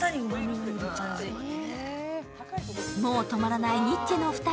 もう止まらないニッチェの２人。